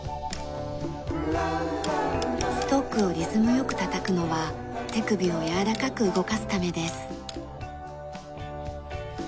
ストックをリズム良くたたくのは手首をやわらかく動かすためです。